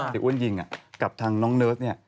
อ้วนยิงกับทางน้องเนิร์สเนี่ย